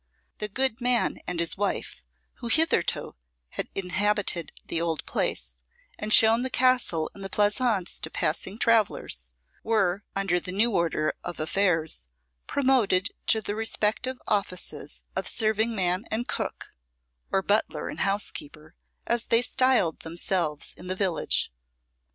The good man and his wife who hitherto had inhabited the old Place, and shown the castle and the pleasaunce to passing travellers, were, under the new order of affairs, promoted to the respective offices of serving man and cook, or butler and housekeeper, as they styled themselves in the village.